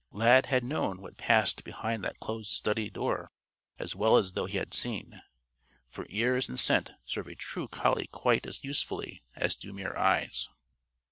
Lad had known what passed behind that closed study door as well as though he had seen. For ears and scent serve a true collie quite as usefully as do mere eyes.